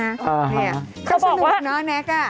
เขาบอกว่าเขาบอกว่าน้องเนค